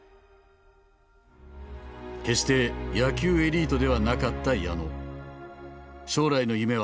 決して野球エリートではなかった矢野。